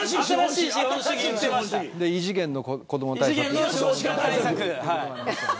異次元の少子化対策。